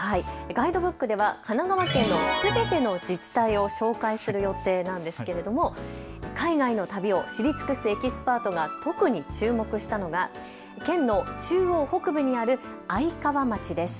ガイドブックでは神奈川県のすべての自治体を紹介する予定なんですけれども海外の旅を知り尽くすエキスパートが特に注目したのが県の中央北部にある愛川町です。